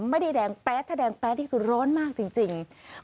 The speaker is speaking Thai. ไม่ได้แดงแป๊ดแต่แดงแป๊ดที่ร้อนมากจริง